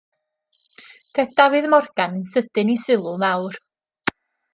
Daeth Dafydd Morgan yn sydyn i sylw mawr.